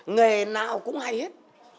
nghề nào cũng hay hết